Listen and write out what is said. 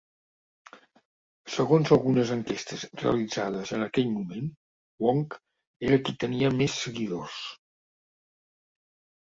Segons algunes enquestes realitzades en aquell moment, Wong era qui tenia més seguidors.